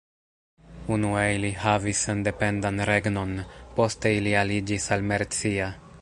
Unue ili havis sendependan regnon: poste ili aliĝis al Mercia.